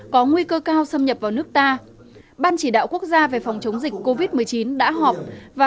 có nguy cơ cao xâm nhập vào nước ta ban chỉ đạo quốc gia về phòng chống dịch covid một mươi chín đã họp và